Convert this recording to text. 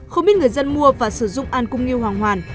không ít người dân mua và sử dụng an cung nghiêu hoàng hoàn